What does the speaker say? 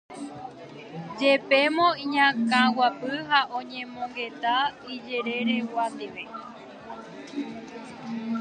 jepémo iñakãguapy ha oñemongeta ijereregua ndive.